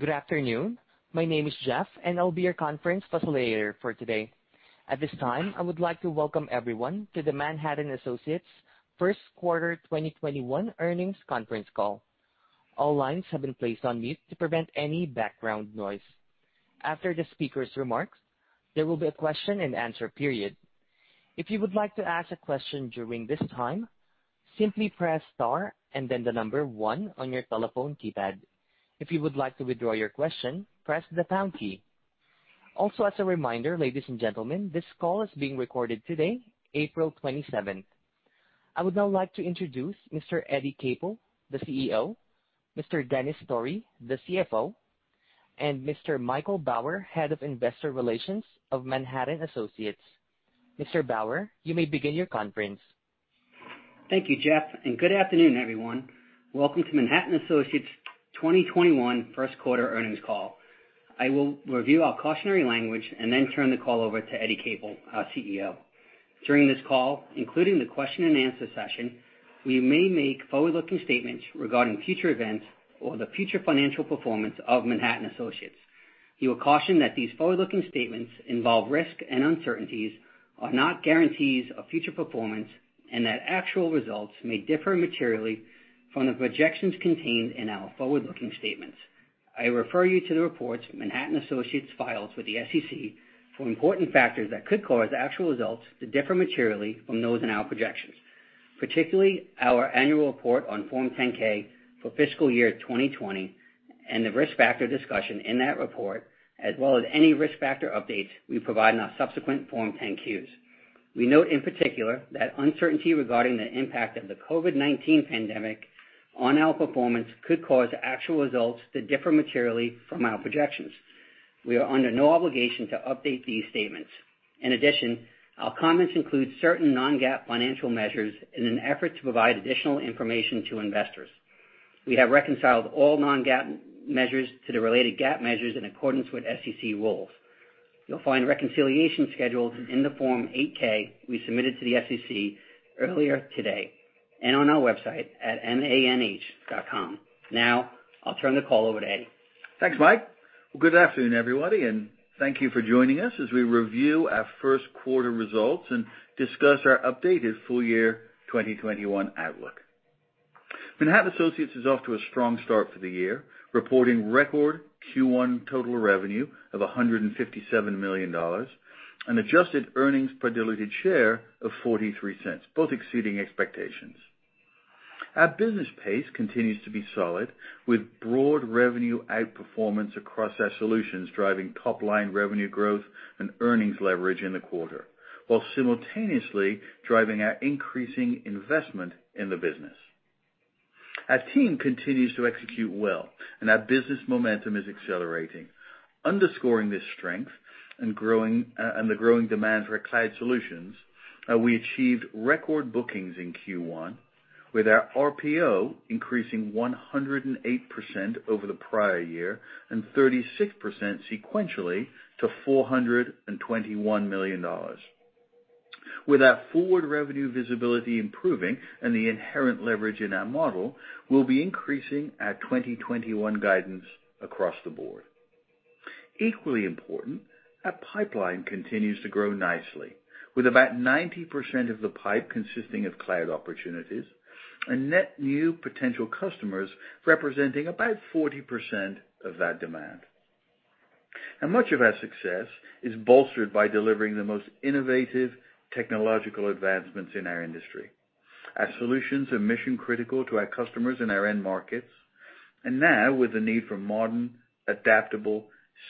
Good afternoon. My name is Jeff, and I'll be your conference facilitator for today. At this time, I would like to welcome everyone to the Manhattan Associates first quarter 2021 earnings conference call. All lines have been placed on mute to prevent any background noise. After the speaker's remarks, there will be a question-and-answer period. If you would like to ask a question during this time, simply press star and then the number one on your telephone keypad. If you would like to withdraw your question, press the pound key. Also, as a reminder, ladies and gentlemen, this call is being recorded today, April 27th. I would now like to introduce Mr. Eddie Capel, the CEO, Mr. Dennis Story, the CFO, and Mr. Michael Bauer, Head of Investor Relations of Manhattan Associates. Mr. Bauer, you may begin your conference. Thank you, Jeff, and good afternoon, everyone. Welcome to Manhattan Associates' 2021 first quarter earnings call. I will review our cautionary language and then turn the call over to Eddie Capel, our CEO. During this call, including the question-and-answer session, we may make forward-looking statements regarding future events or the future financial performance of Manhattan Associates. You are cautioned that these forward-looking statements involve risk and uncertainties, are not guarantees of future performance, and that actual results may differ materially from the projections contained in our forward-looking statements. I refer you to the reports Manhattan Associates files with the SEC for important factors that could cause actual results to differ materially from those in our projections, particularly our annual report on Form 10-K for fiscal year 2020 and the risk factor discussion in that report, as well as any risk factor updates we provide in our subsequent Form 10-Qs. We note in particular that uncertainty regarding the impact of the COVID-19 pandemic on our performance could cause actual results to differ materially from our projections. We are under no obligation to update these statements. In addition, our comments include certain non-GAAP financial measures in an effort to provide additional information to investors. We have reconciled all non-GAAP measures to the related GAAP measures in accordance with SEC rules. You'll find reconciliation scheduled in the Form 8-K we submitted to the SEC earlier today and on our website at manh.com. Now, I'll turn the call over to Eddie. Thanks, Mike. Good afternoon, everybody, and thank you for joining us as we review our first quarter results and discuss our updated full year 2021 outlook. Manhattan Associates is off to a strong start for the year, reporting record Q1 total revenue of $157 million and adjusted earnings per diluted share of $0.43, both exceeding expectations. Our business pace continues to be solid, with broad revenue outperformance across our solutions driving top-line revenue growth and earnings leverage in the quarter, while simultaneously driving our increasing investment in the business. Our team continues to execute well, and our business momentum is accelerating. Underscoring this strength and the growing demand for our cloud solutions, we achieved record bookings in Q1, with our RPO increasing 108% over the prior year and 36% sequentially to $421 million. With our forward revenue visibility improving and the inherent leverage in our model, we'll be increasing our 2021 guidance across the board. Equally important, our pipeline continues to grow nicely, with about 90% of the pipe consisting of cloud opportunities and net new potential customers representing about 40% of that demand. Much of our success is bolstered by delivering the most innovative technological advancements in our industry. Our solutions are mission-critical to our customers and our end markets, and now, with the need for modern, adaptable,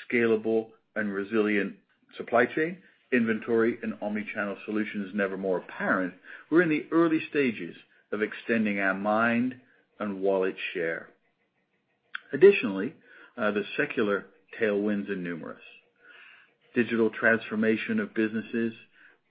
scalable, and resilient supply chain, inventory, and omnichannel solutions never more apparent, we're in the early stages of extending our mind and wallet share. Additionally, the secular tailwinds are numerous. Digital transformation of businesses,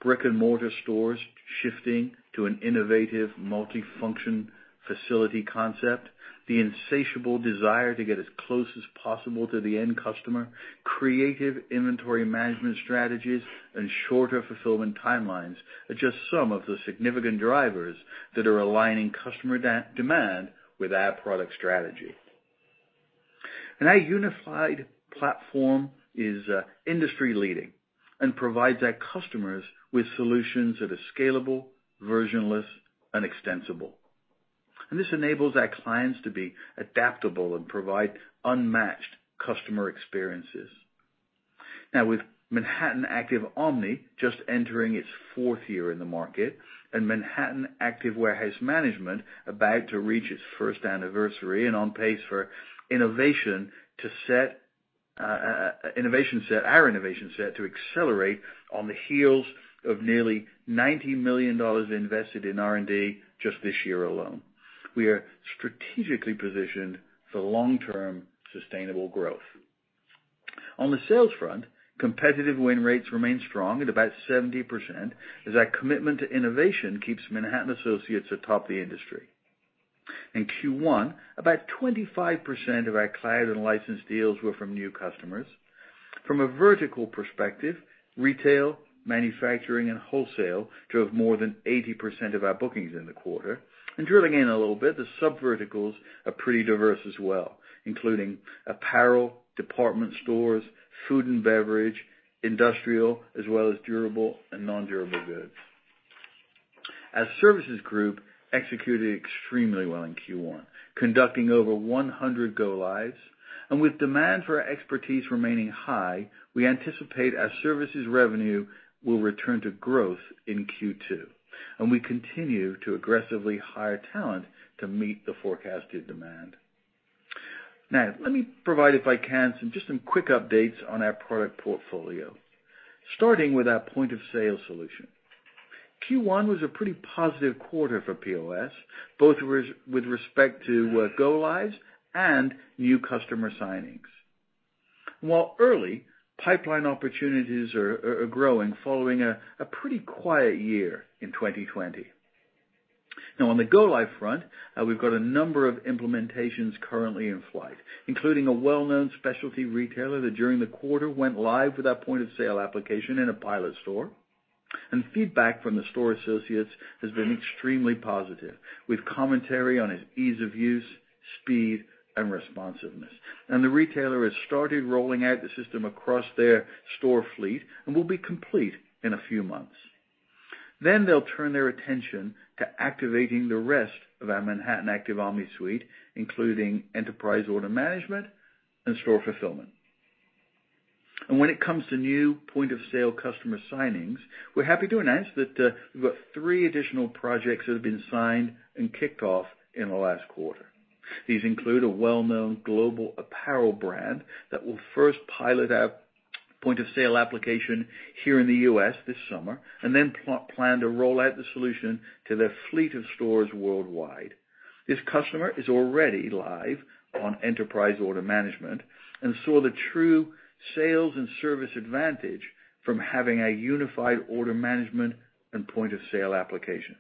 brick-and-mortar stores shifting to an innovative multi-function facility concept, the insatiable desire to get as close as possible to the end customer, creative inventory management strategies, and shorter fulfillment timelines are just some of the significant drivers that are aligning customer demand with our product strategy. Our unified platform is industry-leading and provides our customers with solutions that are scalable, versionless, and extensible, and this enables our clients to be adaptable and provide unmatched customer experiences. Now, with Manhattan Active Omni just entering its fourth year in the market and Manhattan Active Warehouse Management about to reach its first anniversary and on pace for innovation set to accelerate on the heels of nearly $90 million invested in R&D just this year alone, we are strategically positioned for long-term sustainable growth. On the sales front, competitive win rates remain strong at about 70% as our commitment to innovation keeps Manhattan Associates atop the industry. In Q1, about 25% of our cloud and license deals were from new customers. From a vertical perspective, retail, manufacturing, and wholesale drove more than 80% of our bookings in the quarter and drilling in a little bit, the sub-verticals are pretty diverse as well, including apparel, department stores, food and beverage, industrial, as well as durable and non-durable goods. Our services group executed extremely well in Q1, conducting over 100 go-lives and with demand for expertise remaining high, we anticipate our services revenue will return to growth in Q2 and we continue to aggressively hire talent to meet the forecasted demand. Now, let me provide, if I can, just some quick updates on our product portfolio, starting our Point of Sale solution. Q1 was a pretty positive quarter for POS, both with respect to go-lives and new customer signings. While early, pipeline opportunities are growing following a pretty quiet year in 2020. Now, on the go-live front, we've got a number of implementations currently in flight, including a well-known specialty retailer that during the quarter went live Point of Sale application in a pilot store and feedback from the store associates has been extremely positive, with commentary on its ease of use, speed, and responsiveness. The retailer has started rolling out the system across their store fleet and will be complete in a few months. Then they'll turn their attention to activating the rest of our Manhattan Active Omni suite, including Enterprise Order Management and Store Fulfillment. When it comes Point of Sale customer signings, we're happy to announce that we've got three additional projects that have been signed and kicked off in the last quarter. These include a well-known global apparel brand that will first Point of Sale application here in the U.S. this summer and then plan to roll out the solution to their fleet of stores worldwide. This customer is already live on Enterprise Order Management and saw the true sales and service advantage from having a unified order Point of Sale application.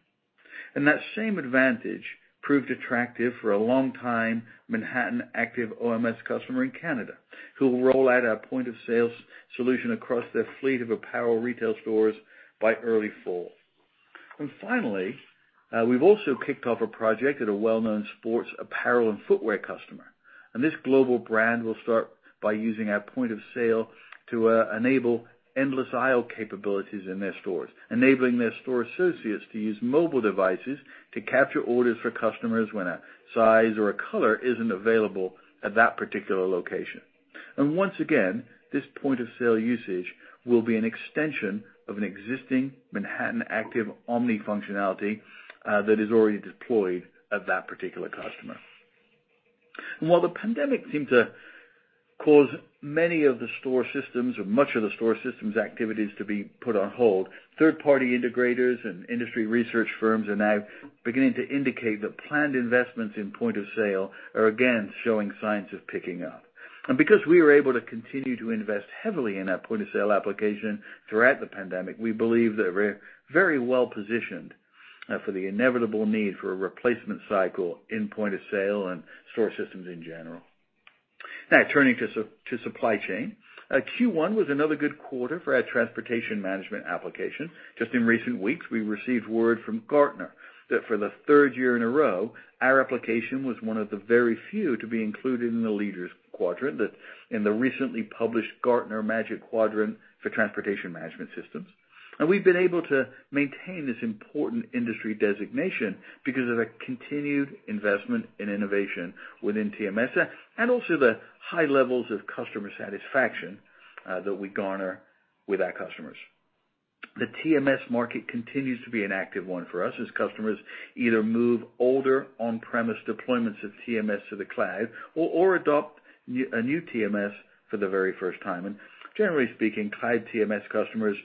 that same advantage proved attractive for a long-time Manhattan Active OMS customer in Canada, who will roll Point of Sale solution across their fleet of apparel retail stores by early fall. Finally, we've also kicked off a project at a well-known sports apparel and footwear customer. This global brand will start by Point of Sale to enable endless aisle capabilities in their stores, enabling their store associates to use mobile devices to capture orders for customers when a size or a color isn't available at that particular location. Once Point of Sale usage will be an extension of an existing Manhattan Active Omni functionality that is already deployed at that particular customer. While the pandemic seemed to cause many of the store systems or much of the store systems' activities to be put on hold, third-party integrators and industry research firms are now beginning to indicate that planned Point of Sale are again showing signs of picking up and because we are able to continue to invest heavily Point of Sale application throughout the pandemic, we believe that we're very well-positioned for the inevitable need for a replacement Point of Sale and store systems in general. Now, turning to supply chain, Q1 was another good quarter for our Transportation Management application. Just in recent weeks, we received word from Gartner that for the third year in a row, our application was one of the very few to be included in the Leaders quadrant in the recently published Gartner Magic Quadrant for Transportation Management Systems. We've been able to maintain this important industry designation because of our continued investment in innovation within TMS and also the high levels of customer satisfaction that we garner with our customers. The TMS market continues to be an active one for us as customers either move older on-premise deployments of TMS to the cloud or adopt a new TMS for the very first time, and generally speaking, cloud TMS customers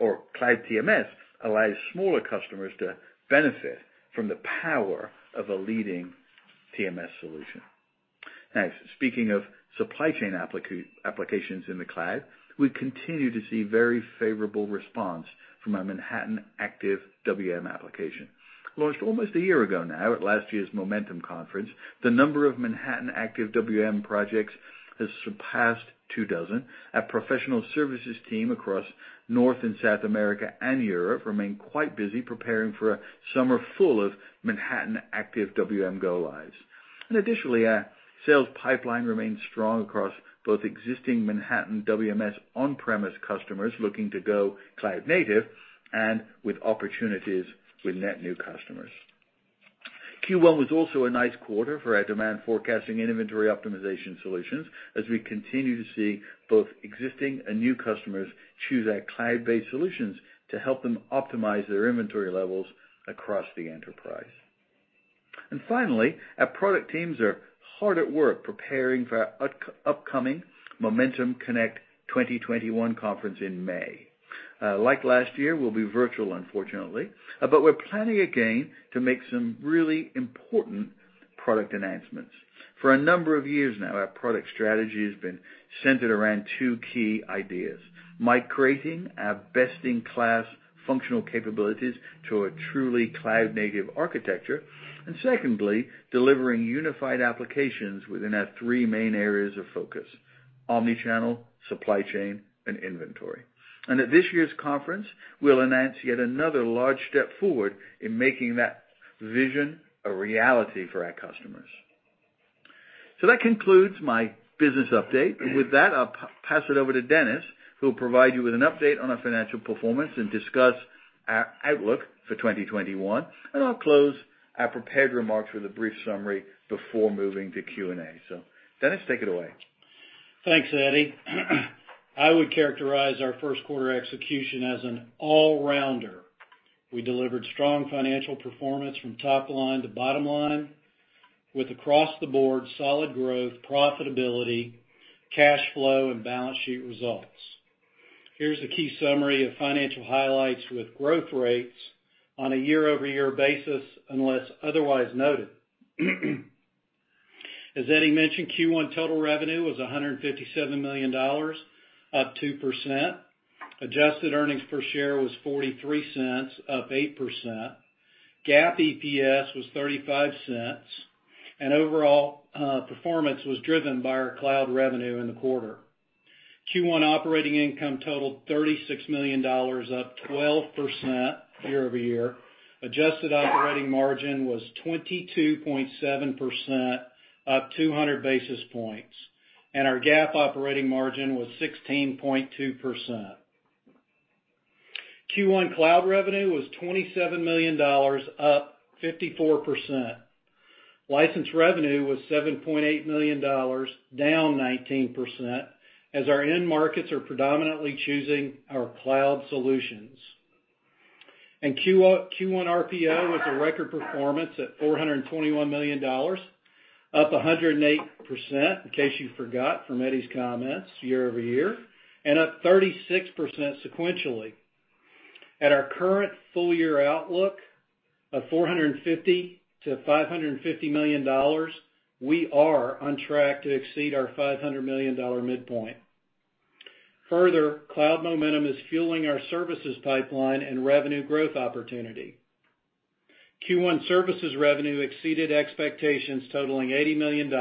or cloud TMS allows smaller customers to benefit from the power of a leading TMS solution. Now, speaking of supply chain applications in the cloud, we continue to see very favorable response from our Manhattan Active WM application. Launched almost a year ago now at last year's Momentum Conference, the number of Manhattan Active WM projects has surpassed two dozen. Our professional services team across North and South America and Europe remains quite busy preparing for a summer full of Manhattan Active WM go-lives. Additionally, our sales pipeline remains strong across both existing Manhattan WMS on-premise customers looking to go cloud-native and with opportunities with net new customers. Q1 was also a nice quarter for our Demand Forecasting and Inventory Optimization solutions as we continue to see both existing and new customers choose our cloud-based solutions to help them optimize their inventory levels across the enterprise. Finally, our product teams are hard at work preparing for our upcoming Momentum Connect 2021 conference in May. Like last year, we'll be virtual, unfortunately, but we're planning again to make some really important product announcements. For a number of years now, our product strategy has been centered around two key ideas: migrating our best-in-class functional capabilities to a truly cloud-native architecture, and secondly, delivering unified applications within our three main areas of focus: omnichannel, supply chain, and inventory. At this year's conference, we'll announce yet another large step forward in making that vision a reality for our customers. So that concludes my business update and with that, I'll pass it over to Dennis, who will provide you with an update on our financial performance and discuss our outlook for 2021. I'll close our prepared remarks with a brief summary before moving to Q&A. So Dennis, take it away. Thanks, Eddie. I would characterize our first quarter execution as an all-rounder. We delivered strong financial performance from top line to bottom line with across-the-board solid growth, profitability, cash flow, and balance sheet results. Here's a key summary of financial highlights with growth rates on a year-over-year basis unless otherwise noted. As Eddie mentioned, Q1 total revenue was $157 million, up 2%. Adjusted earnings per share was $0.43, up 8%. GAAP EPS was $0.35, and overall performance was driven by our cloud revenue in the quarter. Q1 operating income totaled $36 million, up 12% year-over-year. Adjusted operating margin was 22.7%, up 200 basis points, and our GAAP operating margin was 16.2%. Q1 cloud revenue was $27 million, up 54%. License revenue was $7.8 million, down 19%, as our end markets are predominantly choosing our cloud solutions. Q1 RPO was a record performance at $421 million, up 108%, in case you forgot from Eddie's comments year-over-year, and up 36% sequentially. At our current full-year outlook of $450-$550 million, we are on track to exceed our $500 million midpoint. Further, cloud momentum is fueling our services pipeline and revenue growth opportunity. Q1 services revenue exceeded expectations, totaling $80 million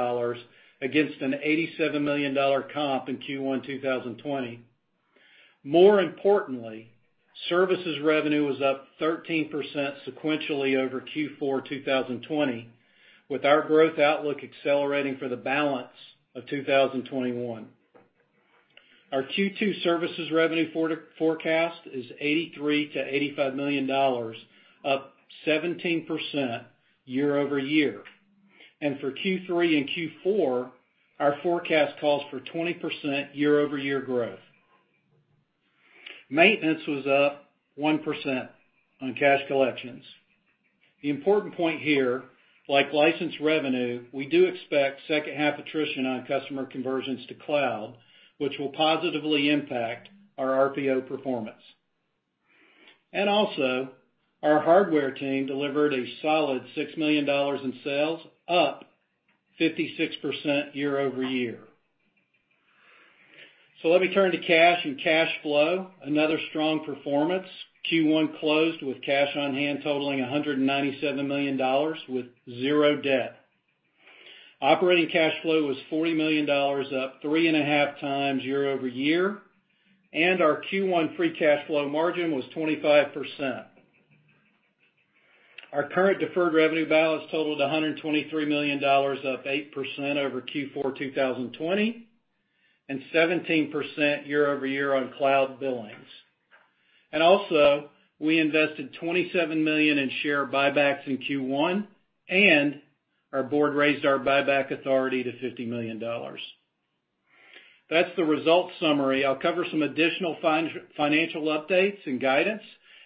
against an $87 million comp in Q1 2020. More importantly, services revenue was up 13% sequentially over Q4 2020, with our growth outlook accelerating for the balance of 2021. Our Q2 services revenue forecast is $83-$85 million, up 17% year-over-year and for Q3 and Q4, our forecast calls for 20% year-over-year growth. Maintenance was up 1% on cash collections. The important point here, like license revenue, we do expect second-half attrition on customer conversions to cloud, which will positively impact our RPO performance. Our hardware team delivered a solid $6 million in sales, up 56% year-over-year. So let me turn to cash and cash flow. Another strong performance. Q1 closed with cash on hand totaling $197 million with zero debt. Operating cash flow was $40 million, up 3.5× year-over-year and our Q1 free cash flow margin was 25%. Our current deferred revenue balance totaled $123 million, up 8% over Q4 2020, and 17% year-over-year on cloud billings. Also, we invested $27 million in share buybacks in Q1, and our board raised our buyback authority to $50 million. That's the result summary. I'll cover some additional financial updates and guidance,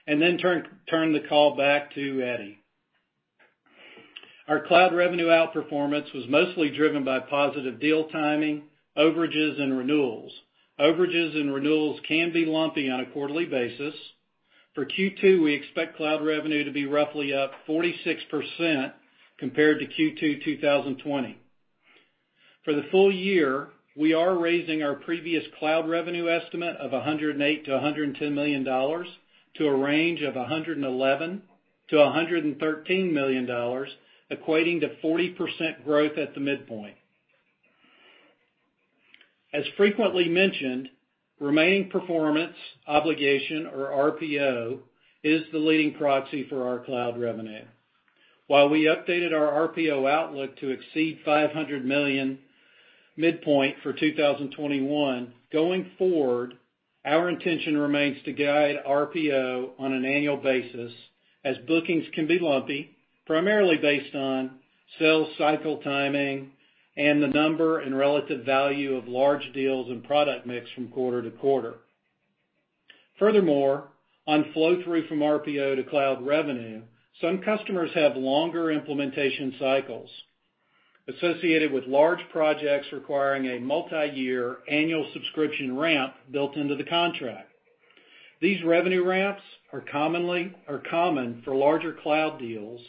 and then turn the call back to Eddie. Our cloud revenue outperformance was mostly driven by positive deal timing, overages, and renewals. Overages and renewals can be lumpy on a quarterly basis. For Q2, we expect cloud revenue to be roughly up 46% compared to Q2 2020. For the full year, we are raising our previous cloud revenue estimate of $108-$110 million to a range of $111-$113 million, equating to 40% growth at the midpoint. As frequently mentioned, remaining performance obligation, or RPO, is the leading proxy for our cloud revenue. While we updated our RPO outlook to exceed $500 million midpoint for 2021, going forward, our intention remains to guide RPO on an annual basis as bookings can be lumpy, primarily based on sales cycle timing and the number and relative value of large deals and product mix from quarter-to-quarter. Furthermore, on flow-through from RPO to cloud revenue, some customers have longer implementation cycles associated with large projects requiring a multi-year annual subscription ramp built into the contract. These revenue ramps are common for larger cloud deals,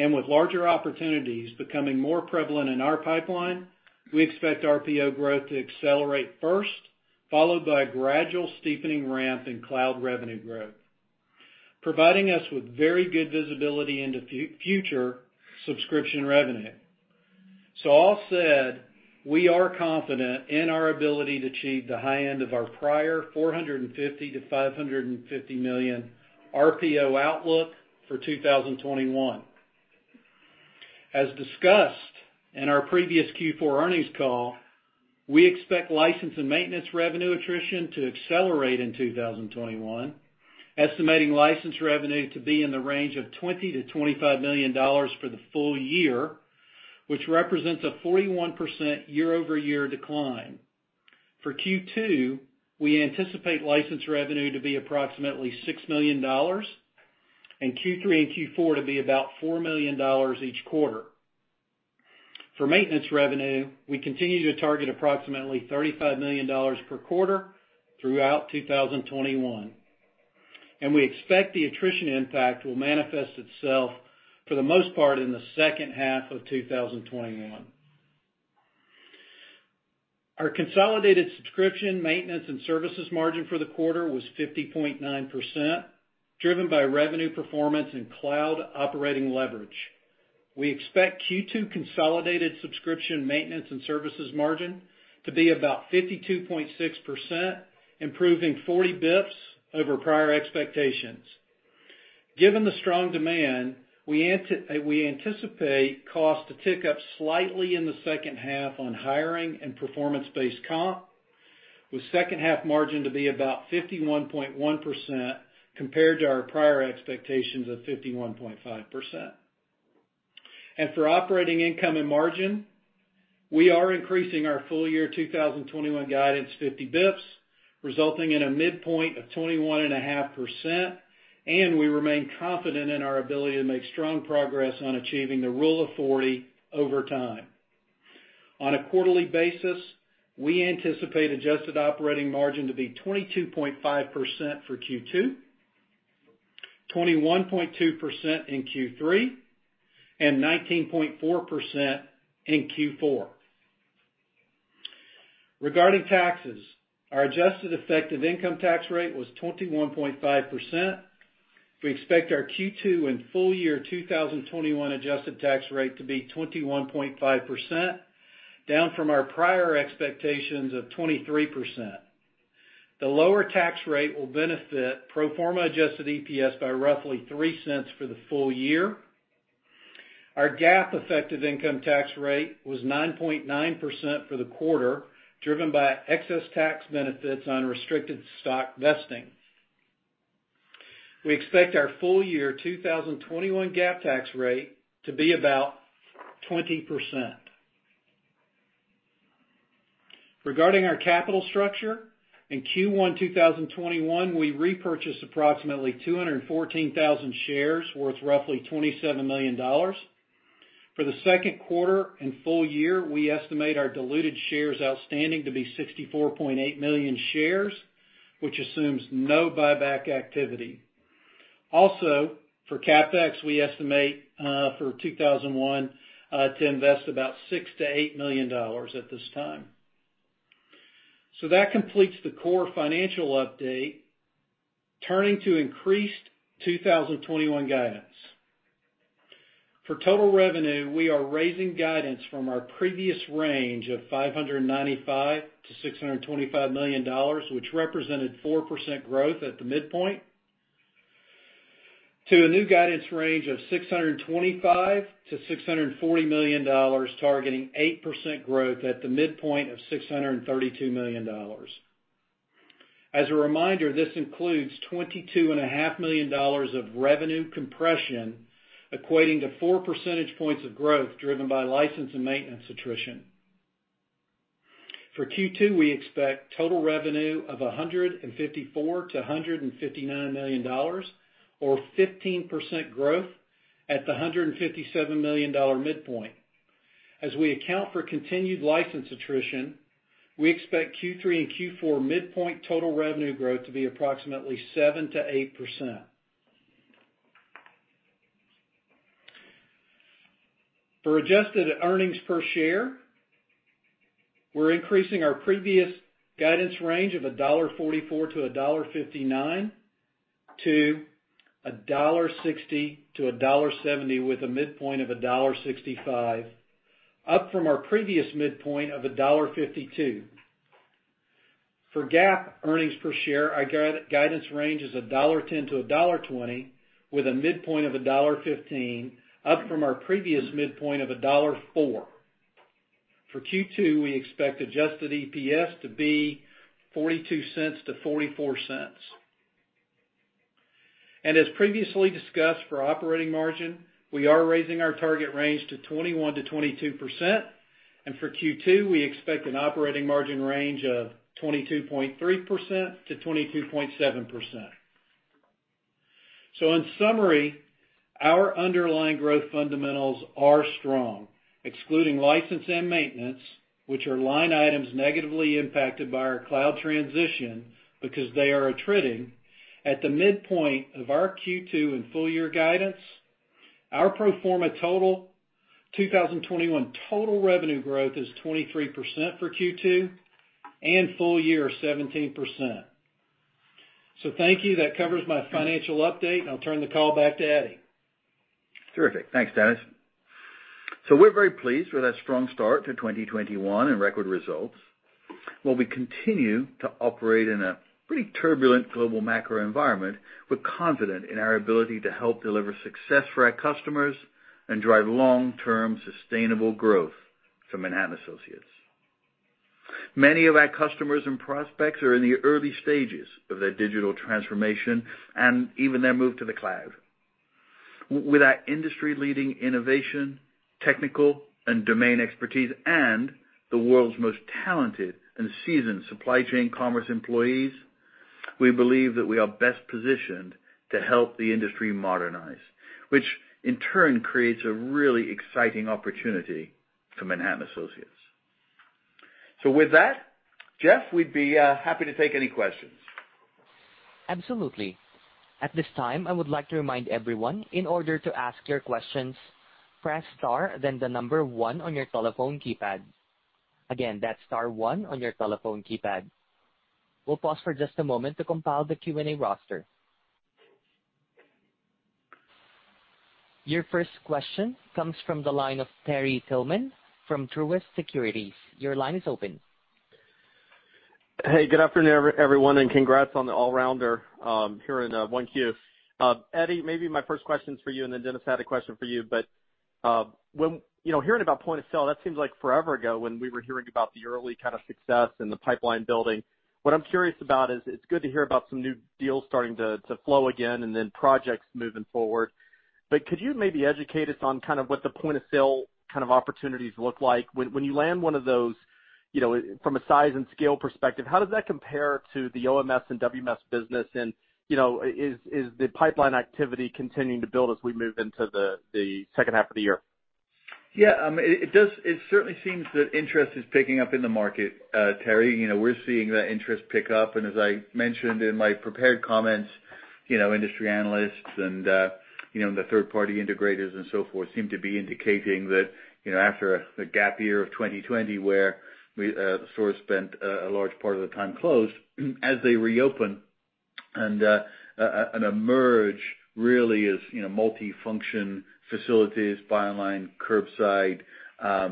and with larger opportunities becoming more prevalent in our pipeline, we expect RPO growth to accelerate first, followed by a gradual steepening ramp in cloud revenue growth, providing us with very good visibility into future subscription revenue. So all said, we are confident in our ability to achieve the high end of our prior $450-$550 million RPO outlook for 2021. As discussed in our previous Q4 earnings call, we expect license and maintenance revenue attrition to accelerate in 2021, estimating license revenue to be in the range of $20-$25 million for the full year, which represents a 41% year-over-year decline. For Q2, we anticipate license revenue to be approximately $6 million, and Q3 and Q4 to be about $4 million each quarter. For maintenance revenue, we continue to target approximately $35 million per quarter throughout 2021. We expect the attrition impact will manifest itself for the most part in the second half of 2021. Our consolidated subscription maintenance and services margin for the quarter was 50.9%, driven by revenue performance and cloud operating leverage. We expect Q2 consolidated subscription maintenance and services margin to be about 52.6%, improving 40 basis points over prior expectations. Given the strong demand, we anticipate costs to tick up slightly in the second half on hiring and performance-based comp, with second-half margin to be about 51.1% compared to our prior expectations of 51.5%. For operating income and margin, we are increasing our full-year 2021 guidance 50 basis points, resulting in a midpoint of 21.5%, and we remain confident in our ability to make strong progress on achieving the Rule of 40 over time. On a quarterly basis, we anticipate adjusted operating margin to be 22.5% for Q2, 21.2% in Q3, and 19.4% in Q4. Regarding taxes, our adjusted effective income tax rate was 21.5%. We expect our Q2 and full-year 2021 adjusted tax rate to be 21.5%, down from our prior expectations of 23%. The lower tax rate will benefit pro forma adjusted EPS by roughly $0.03 for the full year. Our GAAP effective income tax rate was 9.9% for the quarter, driven by excess tax benefits on restricted stock vesting. We expect our full-year 2021 GAAP tax rate to be about 20%. Regarding our capital structure, in Q1 2021, we repurchased approximately 214,000 shares worth roughly $27 million. For the second quarter and full year, we estimate our diluted shares outstanding to be 64.8 million shares, which assumes no buyback activity. Also, for CapEx, we estimate for 2021 to invest about $6-$8 million at this time. So that completes the core financial update, turning to increased 2021 guidance. For total revenue, we are raising guidance from our previous range of $595-$625 million, which represented 4% growth at the midpoint, to a new guidance range of $625-$640 million, targeting 8% growth at the midpoint of $632 million. As a reminder, this includes $22.5 million of revenue compression, equating to 4 percentage points of growth driven by license and maintenance attrition. For Q2, we expect total revenue of $154-$159 million, or 15% growth at the $157 million midpoint. As we account for continued license attrition, we expect Q3 and Q4 midpoint total revenue growth to be approximately 7%-8%. For adjusted earnings per share, we're increasing our previous guidance range of $1.44-$1.59 to $1.60-$1.70, with a midpoint of $1.65, up from our previous midpoint of $1.52. For GAAP earnings per share, our guidance range is $1.10-$1.20, with a midpoint of $1.15, up from our previous midpoint of $1.04. For Q2, we expect adjusted EPS to be $0.42-$0.44. As previously discussed, for operating margin, we are raising our target range to 21%-22%. For Q2, we expect an operating margin range of 22.3%-22.7%. In summary, our underlying growth fundamentals are strong, excluding license and maintenance, which are line items negatively impacted by our cloud transition because they are attriting. At the midpoint of our Q2 and full-year guidance, our pro forma total 2021 total revenue growth is 23% for Q2 and full-year 17%. So thank you. That covers my financial update, and I'll turn the call back to Eddie. Terrific. Thanks, Dennis. So we're very pleased with our strong start to 2021 and record results. While we continue to operate in a pretty turbulent global macro environment, we're confident in our ability to help deliver success for our customers and drive long-term sustainable growth for Manhattan Associates. Many of our customers and prospects are in the early stages of their digital transformation and even their move to the cloud. With our industry-leading innovation, technical, and domain expertise, and the world's most talented and seasoned supply chain commerce employees, we believe that we are best positioned to help the industry modernize, which in turn creates a really exciting opportunity for Manhattan Associates. So with that, Jeff, we'd be happy to take any questions. Absolutely. At this time, I would like to remind everyone, in order to ask your questions, press star, then the number one on your telephone keypad. Again, that's star one on your telephone keypad. We'll pause for just a moment to compile the Q&A roster. Your first question comes from the line of Terry Tillman from Truist Securities. Your line is open. Hey, good afternoon, everyone, and congrats on the strong quarter here in Q1. Eddie, maybe my first question's for you, and then Dennis had a question for you. But hearing about Point of Sale, that seems like forever ago when we were hearing about the early kind of success and the pipeline building. What I'm curious about is, it's good to hear about some new deals starting to flow again and then projects moving forward. But could you maybe educate us on kind of what the Point of Sale kind of opportunities look like? When you land one of those, from a size and scale perspective, how does that compare to the OMS and WMS business and is the pipeline activity continuing to build as we move into the second half of the year? Yeah. It certainly seems that interest is picking up in the market, Terry. We're seeing that interest pick up. As I mentioned in my prepared comments, industry analysts and the third-party integrators and so forth seem to be indicating that after a gap year of 2020, where the store spent a large part of the time closed. As they reopen and emerge, really, as multi-function facilities, buy online, curbside,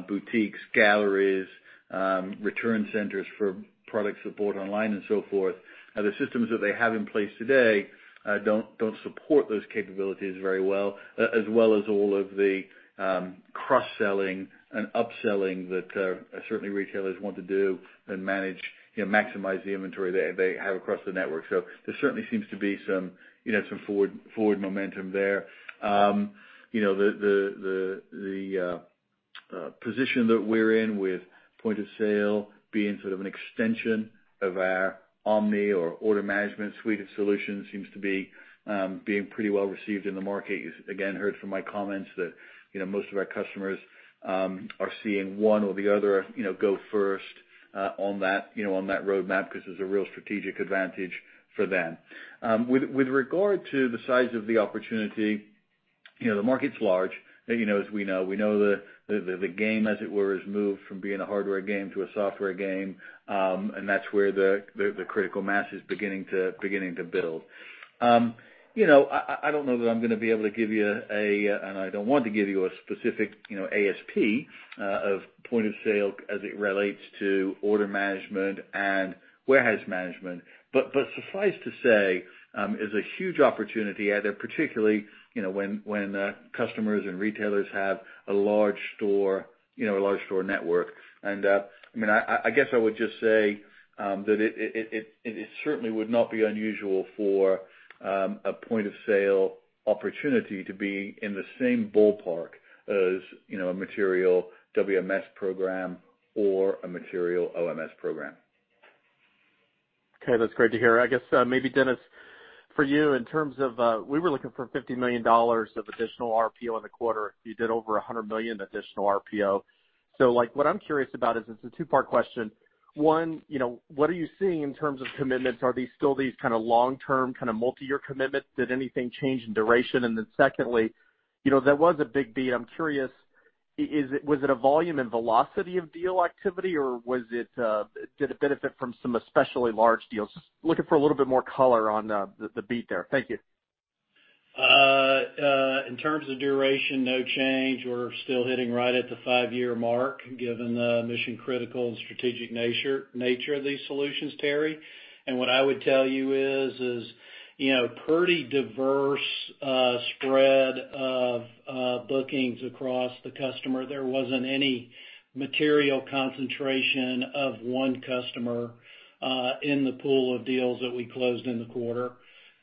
boutiques, galleries, return centers for products that bought online, and so forth, the systems that they have in place today don't support those capabilities very well, as well as all of the cross-selling and upselling that certainly retailers want to do and manage, maximize the inventory they have across the network. So there certainly seems to be some forward momentum there. The position that we're in with Point of Sale being sort of an extension of our Omni or order management suite of solutions seems to be being pretty well received in the market. Again, heard from my comments that most of our customers are seeing one or the other go first on that roadmap because there's a real strategic advantage for them. With regard to the size of the opportunity, the market's large, as we know. We know the game, as it were, has moved from being a hardware game to a software game, and that's where the critical mass is beginning to build. I don't know that I'm going to be able to give you a, and I don't want to give you a specific ASP of Point of Sale as it relates to order management and warehouse management. Suffice to say, it's a huge opportunity, particularly when customers and retailers have a large store network. I mean, I guess I would just say that it certainly would not be unusual for a Point of Sale opportunity to be in the same ballpark as a material WMS program or a material OMS program. Okay. That's great to hear. I guess maybe, Dennis, for you, in terms of we were looking for $50 million of additional RPO in the quarter. You did over $100 million additional RPO. So what I'm curious about is it's a two-part question. One, what are you seeing in terms of commitments? Are these still these kind of long-term, kind of multi-year commitments? Did anything change in duration? Then secondly, that was a big beat. I'm curious, was it a volume and velocity of deal activity, or did it benefit from some especially large deals? Just looking for a little bit more color on the beat there. Thank you. In terms of duration, no change. We're still hitting right at the five-year mark, given the mission-critical and strategic nature of these solutions, Terry, and what I would tell you is a pretty diverse spread of bookings across the customer. There wasn't any material concentration of one customer in the pool of deals that we closed in the quarter.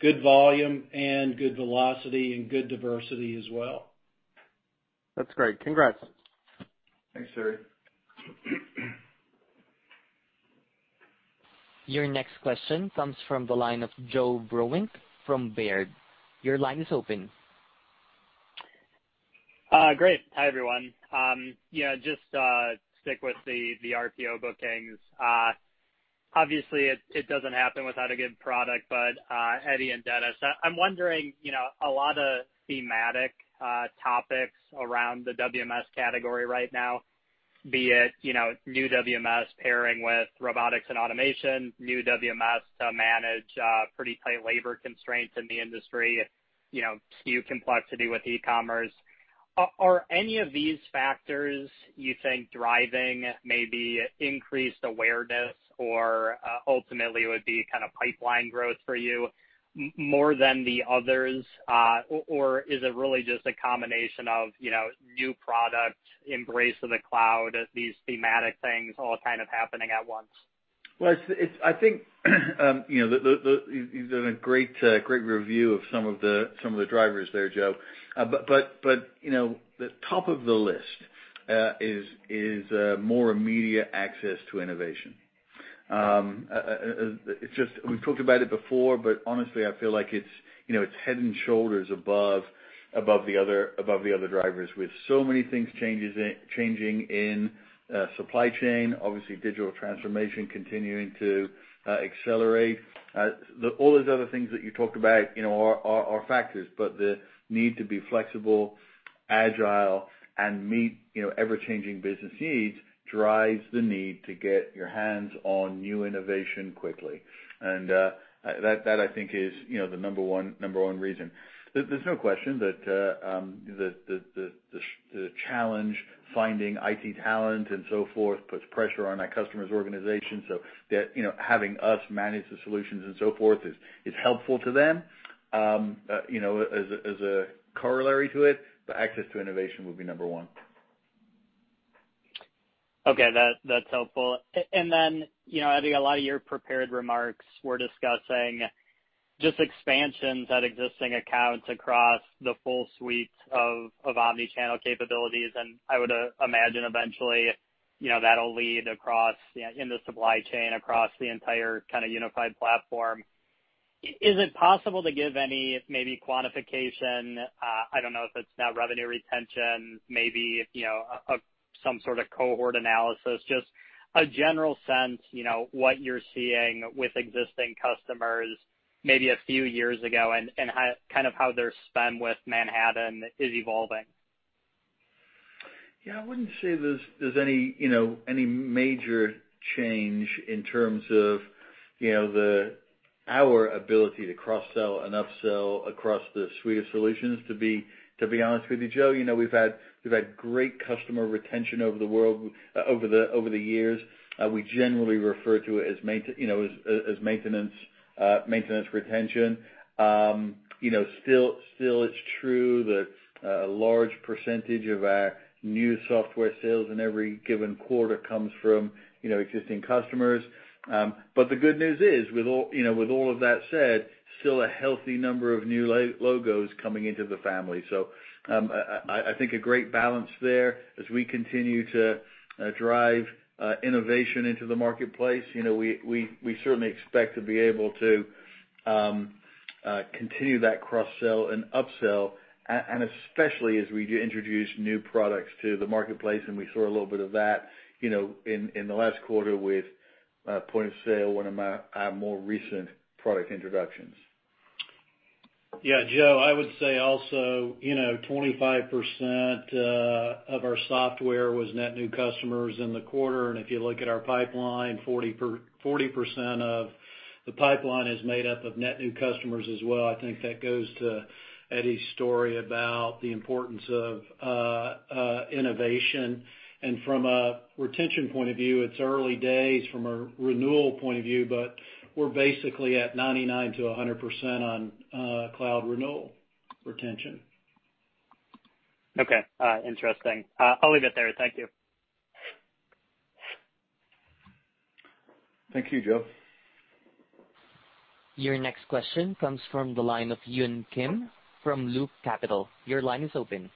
Good volume and good velocity and good diversity as well. That's great. Congrats. Thanks, Terry. Your next question comes from the line of Joe Vruwink from Baird. Your line is open. Great. Hi, everyone. Just stick with the RPO bookings. Obviously, it doesn't happen without a good product, but Eddie and Dennis, I'm wondering, a lot of thematic topics around the WMS category right now, be it new WMS pairing with robotics and automation, new WMS to manage pretty tight labor constraints in the industry, SKU complexity with e-commerce. Are any of these factors you think driving maybe increased awareness or ultimately would be kind of pipeline growth for you more than the others or is it really just a combination of new product, embrace of the cloud, these thematic things all kind of happening at once? I think you've done a great review of some of the drivers there, Joe. But the top of the list is more immediate access to innovation. We've talked about it before, but honestly, I feel like it's head and shoulders above the other drivers with so many things changing in supply chain, obviously digital transformation continuing to accelerate. All those other things that you talked about are factors, but the need to be flexible, agile, and meet ever-changing business needs drives the need to get your hands on new innovation quickly. That, I think, is the number one reason. There's no question that the challenge finding IT talent and so forth puts pressure on our customers' organization. So having us manage the solutions and so forth is helpful to them as a corollary to it, but access to innovation would be number one. Okay. That's helpful. Then, Eddie, a lot of your prepared remarks were discussing just expansions at existing accounts across the full suite of omnichannel capabilities and I would imagine eventually that'll lead across in the supply chain, across the entire kind of unified platform. Is it possible to give any maybe quantification? I don't know if it's now revenue retention, maybe some sort of cohort analysis, just a general sense what you're seeing with existing customers maybe a few years ago and kind of how their spend with Manhattan is evolving? Yeah. I wouldn't say there's any major change in terms of our ability to cross-sell and upsell across the suite of solutions. To be honest with you, Joe, we've had great customer retention worldwide over the years. We generally refer to it as maintenance retention. Still, it's true that a large percentage of our new software sales in every given quarter comes from existing customers. But the good news is, with all of that said, still a healthy number of new logos coming into the family. So I think a great balance there as we continue to drive innovation into the marketplace. We certainly expect to be able to continue that cross-sell and upsell, and especially as we introduce new products to the marketplace and we saw a little bit of that in the last quarter with Point of Sale, one of our more recent product introductions. Yeah. Joe, I would say also 25% of our software was net new customers in the quarter and if you look at our pipeline, 40% of the pipeline is made up of net new customers as well. I think that goes to Eddie's story about the importance of innovation. From a retention point of view, it's early days from a renewal point of view, but we're basically at 99%-100% on cloud renewal retention. Okay. Interesting. I'll leave it there. Thank you. Thank you, Joe. Your next question comes from the line of Yun Kim from Loop Capital Markets. Your line is open.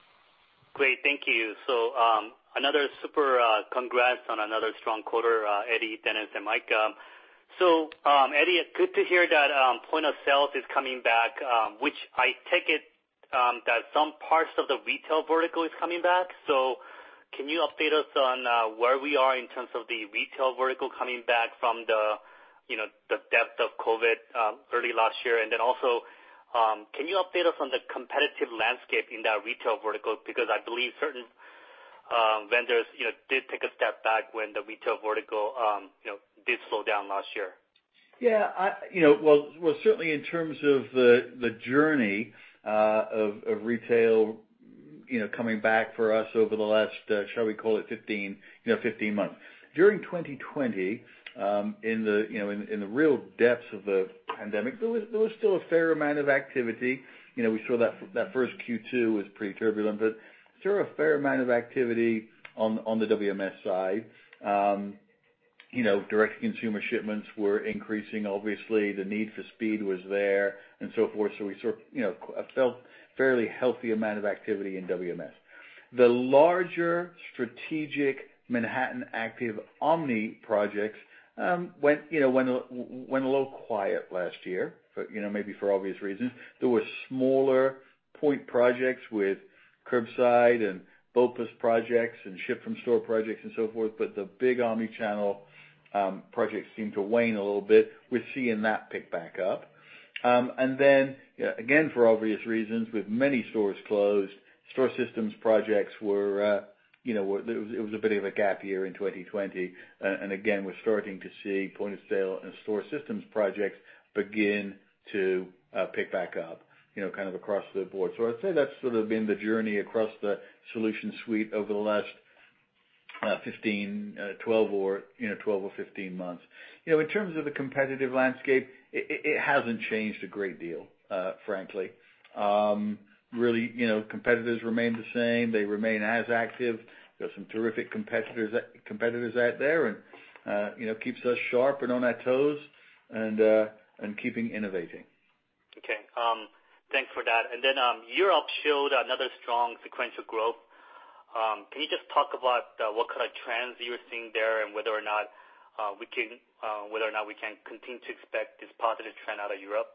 Great. Thank you. So another super congrats on another strong quarter, Eddie, Dennis, and Mike. So Eddie, it's good to hear that Point of Sale is coming back, which I take it that some parts of the retail vertical is coming back. So can you update us on where we are in terms of the retail vertical coming back from the depths of COVID early last year? Then also, can you update us on the competitive landscape in that retail vertical because I believe certain vendors did take a step back when the retail vertical did slow down last year? Yeah. Well, certainly in terms of the journey of retail coming back for us over the last, shall we call it, 15 months. During 2020, in the real depths of the pandemic, there was still a fair amount of activity. We saw that first Q2 was pretty turbulent, but there was a fair amount of activity on the WMS side. Direct-to-consumer shipments were increasing. Obviously, the need for speed was there and so forth. So we sort of felt a fairly healthy amount of activity in WMS. The larger strategic Manhattan Active Omni projects went a little quiet last year, maybe for obvious reasons. There were smaller point projects with curbside and BOPIS projects and ship-from-store projects and so forth, but the big omnichannel projects seemed to wane a little bit. We're seeing that pick back up. Then, again, for obvious reasons, with many stores closed, store systems projects. It was a bit of a gap year in 2020. Again, we're starting to see Point of Sale and store systems projects begin to pick back up kind of across the board. I'd say that's sort of been the journey across the solution suite over the last 15, 12, or 15 months. In terms of the competitive landscape, it hasn't changed a great deal, frankly. Really, competitors remain the same. They remain as active. There's some terrific competitors out there, and it keeps us sharp and on our toes and keeping innovating. Okay. Thanks for that. Then Europe showed another strong sequential growth. Can you just talk about what kind of trends you're seeing there and whether or not we can continue to expect this positive trend out of Europe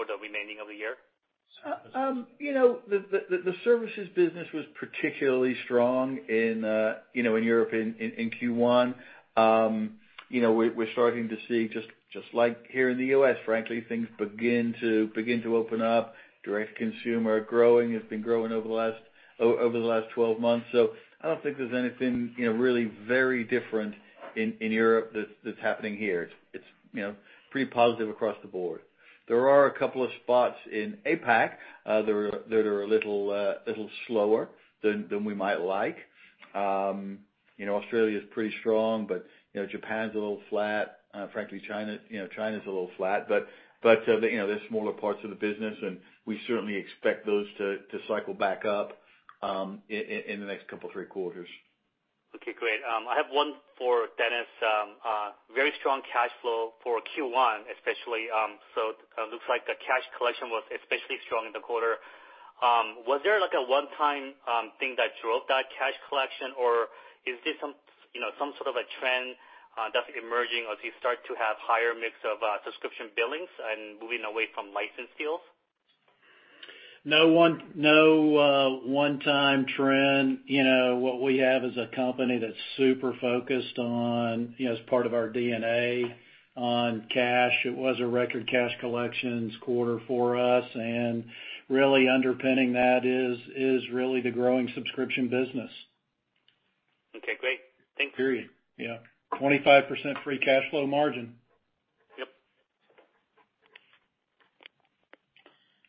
for the remainder of the year? The services business was particularly strong in Europe in Q1. We're starting to see, just like here in the U.S., frankly, things begin to open up. Direct-to-consumer growing has been growing over the last 12 months. So I don't think there's anything really very different in Europe that's happening here. It's pretty positive across the board. There are a couple of spots in APAC that are a little slower than we might like. Australia is pretty strong, but Japan's a little flat. Frankly, China's a little flat, but there's smaller parts of the business, and we certainly expect those to cycle back up in the next couple of three quarters. Okay. Great. I have one for Dennis. Very strong cash flow for Q1, especially. So it looks like the cash collection was especially strong in the quarter. Was there a one-time thing that drove that cash collection, or is this some sort of a trend that's emerging as you start to have higher mix of subscription billings and moving away from license deals? No one-time trend. What we have as a company that's super focused on, as part of our DNA on cash, it was a record cash collections quarter for us, and really underpinning that is really the growing subscription business. Okay. Great. Thanks. Period. Yeah. 25% free cash flow margin. Yep.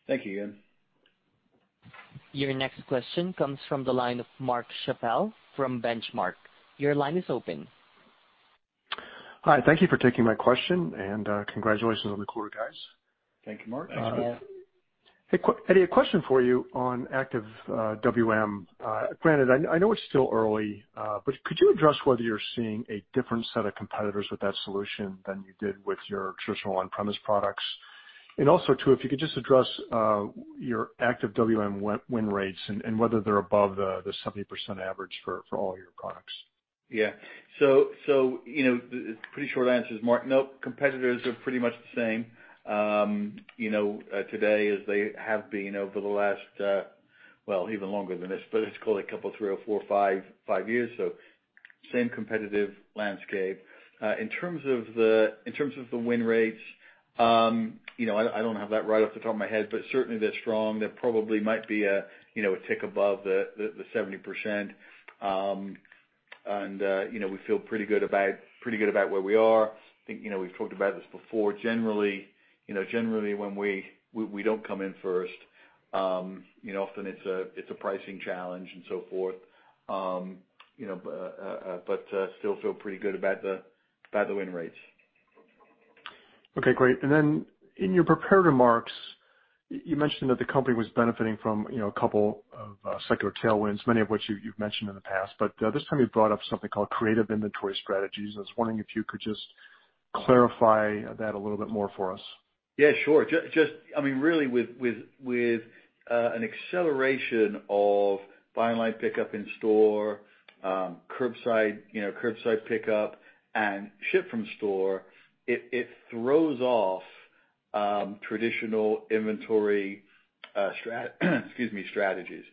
Thank you, Yun. Your next question comes from the line of Mark Chappell from Benchmark. Your line is open. Hi. Thank you for taking my question, and congratulations on the quarter, guys. Thank you, Mark. Thanks, Dennis. Eddie, a question for you on Active WM. Granted, I know it's still early, but could you address whether you're seeing a different set of competitors with that solution than you did with your traditional on-premise products? Also, too, if you could just address your Active WM win rates and whether they're above the 70% average for all your products. Yeah. So the pretty short answer is, Mark, nope. Competitors are pretty much the same today as they have been over the last, well, even longer than this, but let's call it a couple of three, four, five years. So same competitive landscape. In terms of the win rates, I don't have that right off the top of my head, but certainly they're strong. There probably might be a tick above the 70% and we feel pretty good about where we are. I think we've talked about this before. Generally, when we don't come in first, often it's a pricing challenge and so forth, but still feel pretty good about the win rates. Okay. Great. Then in your prepared remarks, you mentioned that the company was benefiting from a couple of secular tailwinds, many of which you've mentioned in the past. But this time you brought up something called creative inventory strategies. I was wondering if you could just clarify that a little bit more for us. Yeah. Sure. I mean, really, with an acceleration of buy online, pickup in store, curbside pickup, and ship-from-store, it throws off traditional inventory strategies.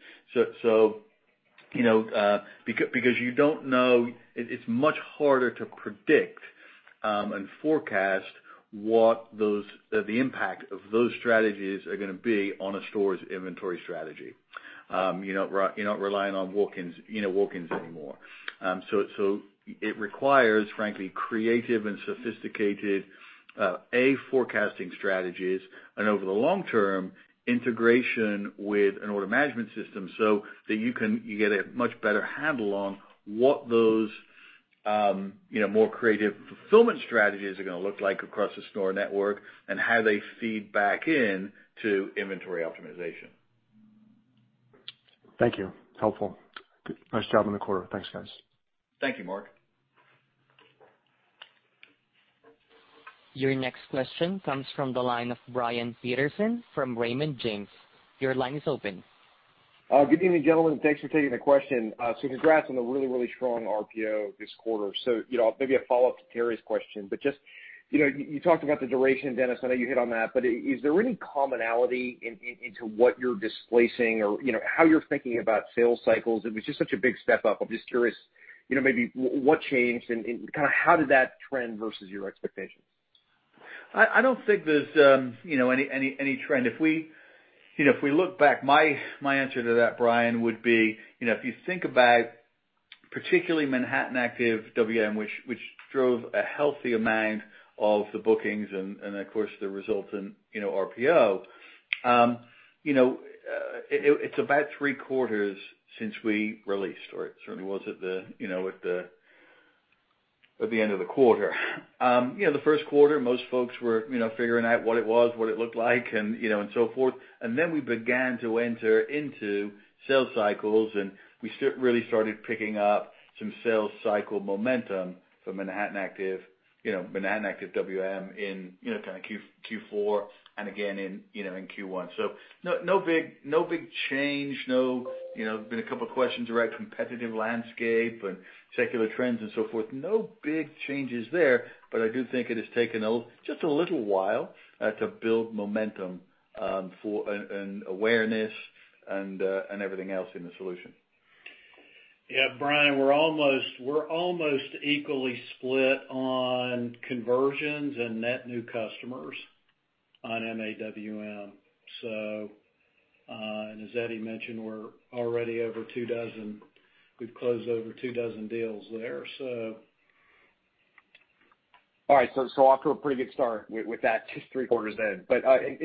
So because you don't know, it's much harder to predict and forecast what the impact of those strategies are going to be on a store's inventory strategy. You're not relying on walk-ins anymore. So it requires, frankly, creative and sophisticated, A, forecasting strategies, and over the long term, integration with an order management system so that you get a much better handle on what those more creative fulfillment strategies are going to look like across the store network and how they feed back into Inventory Optimization. Thank you. Helpful. Nice job in the quarter. Thanks, guys. Thank you, Mark. Your next question comes from the line of Brian Peterson from Raymond James. Your line is open. Good evening, gentlemen. Thanks for taking the question. So congrats on a really, really strong RPO this quarter. So maybe a follow-up to Terry's question, but just you talked about the duration, Dennis. I know you hit on that, but is there any commonality into what you're displacing or how you're thinking about sales cycles? It was just such a big step up. I'm just curious, maybe what changed and kind of how did that trend versus your expectations? I don't think there's any trend. If we look back, my answer to that, Brian, would be if you think about particularly Manhattan Active WM, which drove a healthy amount of the bookings and, of course, the resultant RPO, it's about three-quarters since we released, or it certainly was at the end of the quarter. The first quarter, most folks were figuring out what it was, what it looked like, and so forth, and then we began to enter into sales cycles, and we really started picking up some sales cycle momentum for Manhattan Active WM in kind of Q4 and again in Q1, so no big change. There've been a couple of questions around competitive landscape and secular trends and so forth. No big changes there, but I do think it has taken just a little while to build momentum for an awareness and everything else in the solution. Yeah. Brian, we're almost equally split on conversions and net new customers on MAWM. As Eddie mentioned, we're already over two dozen. We've closed over two dozen deals there, so. All right. So off to a pretty good start with that, just three quarters in. But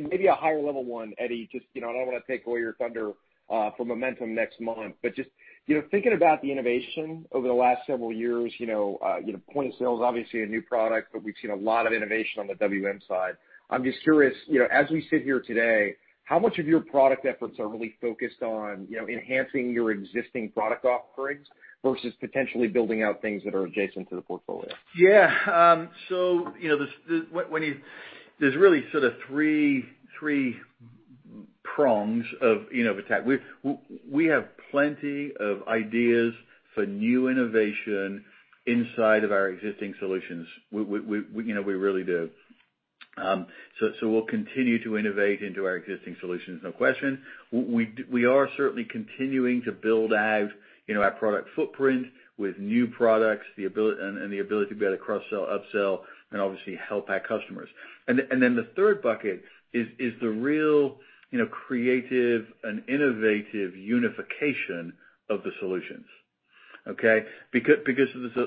maybe a higher-level one, Eddie, just I don't want to take away your thunder for momentum next month, but just thinking about the innovation over the last several years, Point of Sale is obviously a new product, but we've seen a lot of innovation on the WM side. I'm just curious, as we sit here today, how much of your product efforts are really focused on enhancing your existing product offerings versus potentially building out things that are adjacent to the portfolio? Yeah. So there's really sort of three prongs of attack. We have plenty of ideas for new innovation inside of our existing solutions. We really do, so we'll continue to innovate into our existing solutions, no question. We are certainly continuing to build out our product footprint with new products and the ability to be able to cross-sell, upsell, and obviously help our customers, and then the third bucket is the real creative and innovative unification of the solutions, okay? Because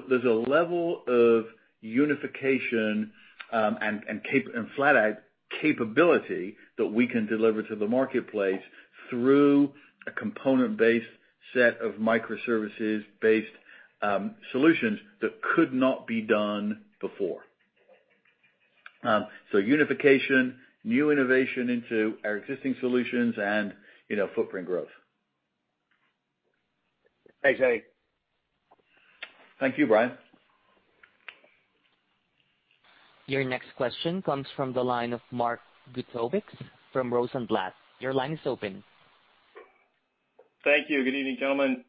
there's a level of unification and flat-out capability that we can deliver to the marketplace through a component-based set of microservices-based solutions that could not be done before, so unification, new innovation into our existing solutions, and footprint growth. Thanks, Eddie. Thank you, Brian. Your next question comes from the line of Mark Zgutowicz from Rosenblatt. Your line is open. Thank you. Good evening, gentlemen.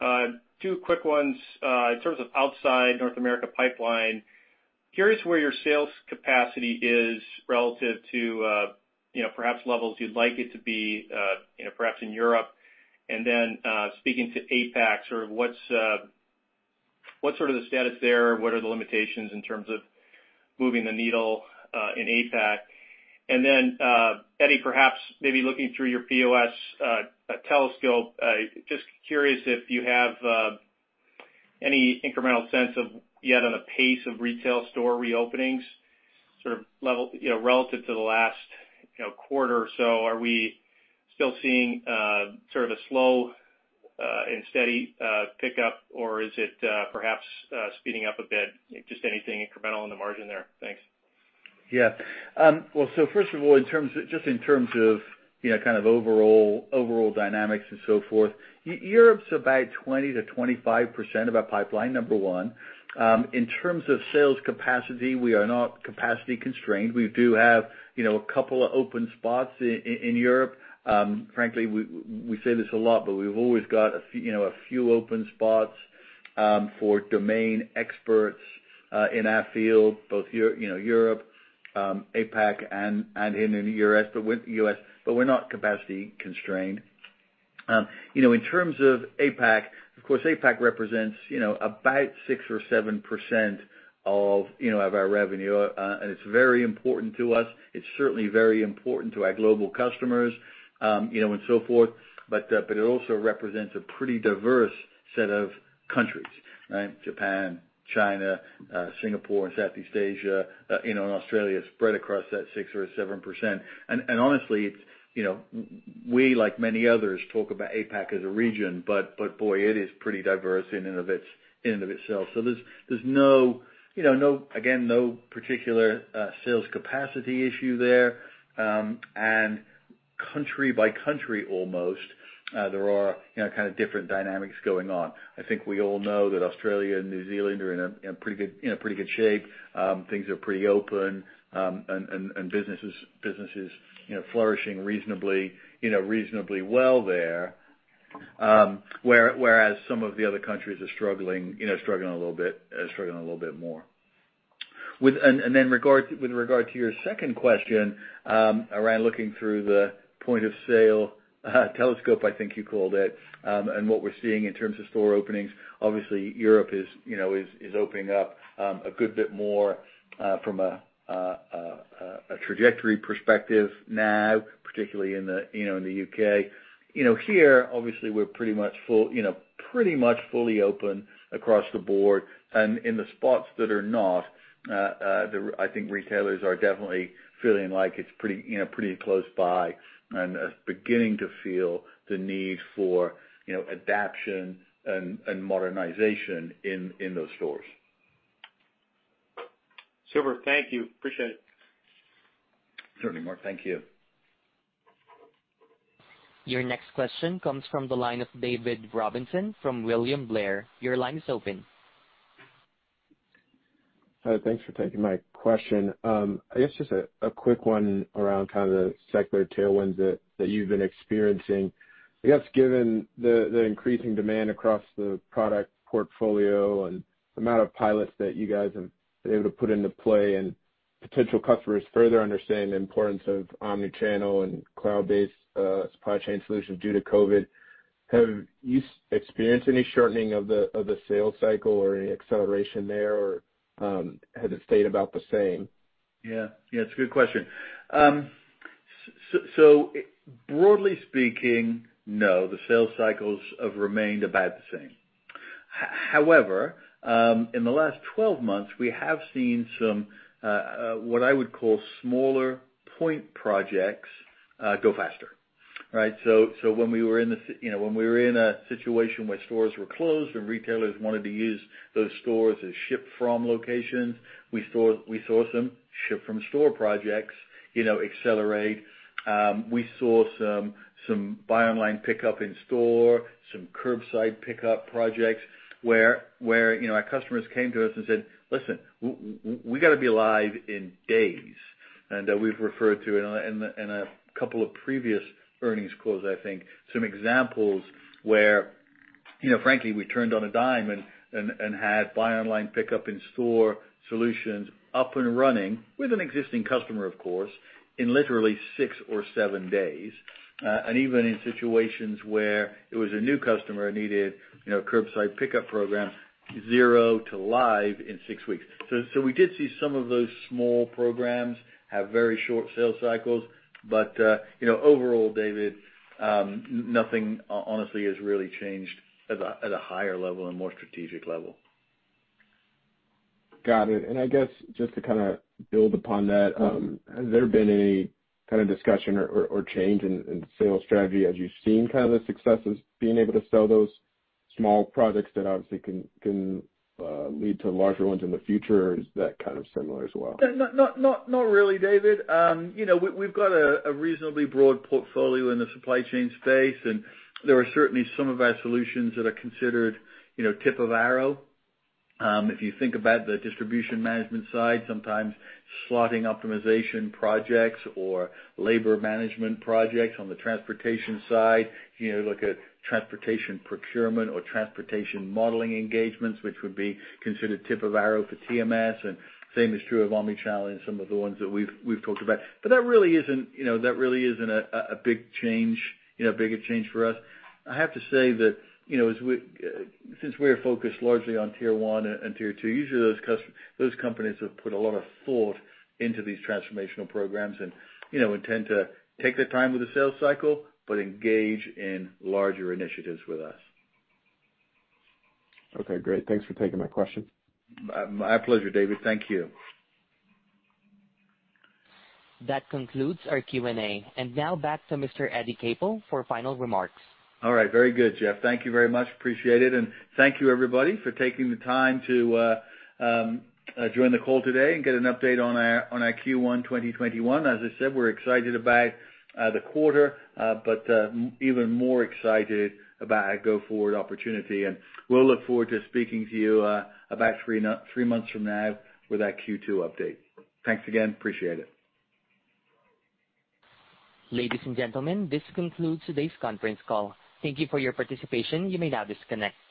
Two quick ones. In terms of outside North America pipeline, curious where your sales capacity is relative to perhaps levels you'd like it to be, perhaps in Europe. Then speaking to APAC, sort of what's sort of the status there? What are the limitations in terms of moving the needle in APAC? Then, Eddie, perhaps maybe looking through your POS telescope, just curious if you have any incremental sense of yet on the pace of retail store reopenings, sort of relative to the last quarter or so. Are we still seeing sort of a slow and steady pickup, or is it perhaps speeding up a bit? Just anything incremental in the margin there? Thanks. Yeah. Well, so first of all, just in terms of kind of overall dynamics and so forth, Europe is about 20%-25% of our pipeline, number one. In terms of sales capacity, we are not capacity-constrained. We do have a couple of open spots in Europe. Frankly, we say this a lot, but we've always got a few open spots for domain experts in our field, both Europe, APAC, and in the U.S., but we're not capacity-constrained. In terms of APAC, of course, APAC represents about 6%-7% of our revenue, and it's very important to us. It's certainly very important to our global customers and so forth, but it also represents a pretty diverse set of countries like Japan, China, Singapore, and Southeast Asia, and Australia spread across that 6%-7%. Honestly, we, like many others, talk about APAC as a region, but boy, it is pretty diverse in and of itself. So there's no, again, no particular sales capacity issue there and country by country, almost, there are kind of different dynamics going on. I think we all know that Australia and New Zealand are in pretty good shape. Things are pretty open, and business is flourishing reasonably well there, whereas some of the other countries are struggling a little bit, struggling a little bit more. Then with regard to your second question around looking through the Point of Sale telescope, I think you called it, and what we're seeing in terms of store openings, obviously, Europe is opening up a good bit more from a trajectory perspective now, particularly in the U.K.. Here, obviously, we're pretty much fully open across the board. In the spots that are not, I think retailers are definitely feeling like it's pretty close by and beginning to feel the need for adaptation and modernization in those stores. Super. Thank you. Appreciate it. Certainly, Mark. Thank you. Your next question comes from the line of David Robinson from William Blair. Your line is open. Thanks for taking my question. I guess just a quick one around kind of the secular tailwinds that you've been experiencing. I guess given the increasing demand across the product portfolio and the amount of pilots that you guys have been able to put into play and potential customers further understanding the importance of omnichannel and cloud-based supply chain solutions due to COVID, have you experienced any shortening of the sales cycle or any acceleration there, or has it stayed about the same? Yeah. Yeah. It's a good question. So broadly speaking, no, the sales cycles have remained about the same. However, in the last 12 months, we have seen somewhat what I would call smaller point projects go faster, right? So when we were in a situation where stores were closed, and retailers wanted to use those stores as ship-from locations, we saw some ship-from-store projects accelerate. We saw some buy online, pickup in store, some curbside pickup projects where our customers came to us and said, "Listen, we got to be live in days." We've referred to in a couple of previous earnings calls, I think, some examples where, frankly, we turned on a dime and had buy online, pickup in store solutions up and running with an existing customer, of course, in literally six or seven days. Even in situations where it was a new customer who needed a curbside pickup program, zero to live in six weeks. We did see some of those small programs have very short sales cycles. Overall, David, nothing honestly has really changed at a higher level and more strategic level. Got it. I guess just to kind of build upon that, has there been any kind of discussion or change in sales strategy as you've seen kind of the success of being able to sell those small products that obviously can lead to larger ones in the future? Is that kind of similar as well? Not really, David. We've got a reasonably broad portfolio in the supply chain space, and there are certainly some of our solutions that are considered tip of the arrow. If you think about the Distribution Management side, sometimes Slotting Optimization projects or Labor Management projects on the transportation side, look at Transportation Procurement or Transportation Modeling engagements, which would be considered tip of the arrow for TMS. Same is true of omnichannel and some of the ones that we've talked about. But that really isn't a big change, a bigger change for us. I have to say that since we're focused largely on Tier 1 and Tier 2, usually those companies have put a lot of thought into these transformational programs and intend to take their time with the sales cycle, but engage in larger initiatives with us. Okay. Great. Thanks for taking my question. My pleasure, David. Thank you. That concludes our Q&A. Now back to Mr. Eddie Capel for final remarks. All right. Very good, Jeff. Thank you very much. Appreciate it, and thank you, everybody, for taking the time to join the call today and get an update on our Q1 2021. As I said, we're excited about the quarter, but even more excited about our go-forward opportunity, and we'll look forward to speaking to you about three months from now with our Q2 update. Thanks again. Appreciate it. Ladies and gentlemen, this concludes today's conference call. Thank you for your participation. You may now disconnect.